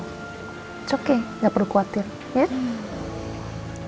it's okay nggak perlu khawatir ya